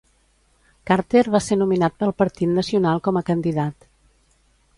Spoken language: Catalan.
Carter va ser nominat pel Partit Nacional com a candidat.